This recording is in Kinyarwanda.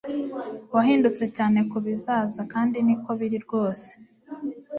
Wahindutse cyane kubizaza kandi niko biri rwose